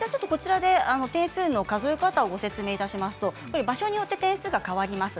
点数の数え方をご説明いたしますと場所によって点数が変わります。